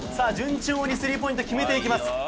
順調にスリーポイント決めていきます。